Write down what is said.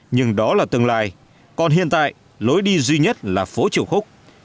nhưng đó là tương lai còn hiện tại lối đi duy nhất là phố triều khúc